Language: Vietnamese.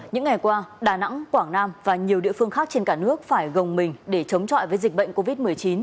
những ngày qua đà nẵng quảng nam và nhiều địa phương khác trên cả nước phải gồng mình để chống chọi với dịch bệnh covid một mươi chín